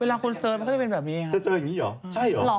คนเสิร์ตมันก็จะเป็นแบบนี้ค่ะจะเจออย่างนี้เหรอใช่เหรอ